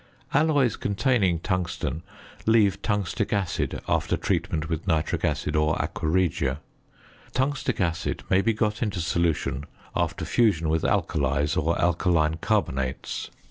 Alloys containing tungsten leave tungstic acid after treatment with nitric acid or aqua regia. Tungstic acid may be got into solution after fusion with alkalies or alkaline carbonates.